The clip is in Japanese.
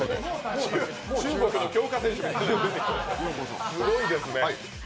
中国の強化選手みたいすごいですね。